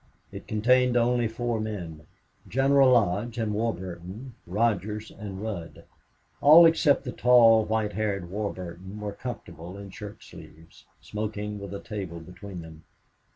It contained only four men General Lodge, and Warburton, Rogers, and Rudd. All except the tall, white haired Warburton were comfortable in shirt sleeves, smoking with a table between them.